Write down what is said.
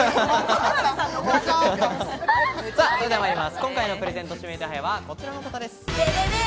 今回のプレゼント指名手配はこちらの方です。